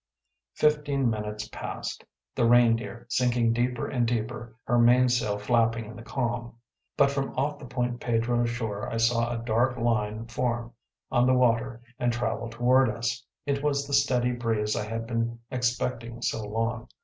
Fifteen minutes passed, the Reindeer sinking deeper and deeper, her mainsail flapping in the calm. But from off the Point Pedro shore I saw a dark line form on the water and travel toward us. It was the steady breeze I had been expecting so long.